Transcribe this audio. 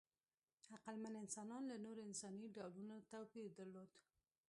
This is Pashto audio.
عقلمن انسانان له نورو انساني ډولونو توپیر درلود.